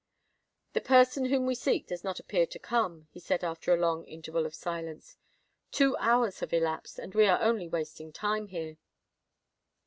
"The person whom we seek does not appear to come," he said, after a long interval of silence. "Two hours have elapsed—and we are only wasting time here."